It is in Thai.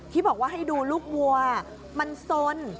ที่บอกว่าให้ดูลูกวัวมันสน